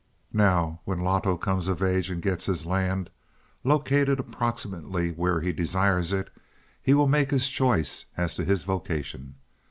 "Now when Loto comes of age and gets his land, located approximately where he desires it, he will make his choice as to his vocation.